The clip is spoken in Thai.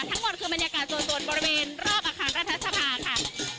ทั้งหมดคือบรรยากาศส่วนบริเวณรอบอาคารรัฐสภาค่ะ